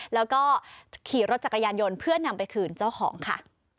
แล้วก็ขี่รถจักรยานยนต์เพื่อนำไปคืนเจ้าของค่ะ